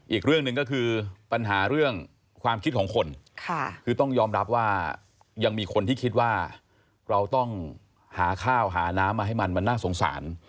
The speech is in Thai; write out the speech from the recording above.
อีกเรื่องหนึ่งก็คือปัญหาเรื่องความคิดของคนคือต้องยอมรับว่ายังมีคนที่คิดว่าเราต้องหาข้าวหาน้ำมาให้มันมันน่าสงสาร